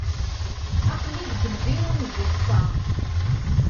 Aql-i deg lbiru n lpusṭa.